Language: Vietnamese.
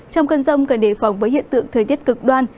trong cơn rông cần đề phòng với hiện tượng thời tiết cực đoan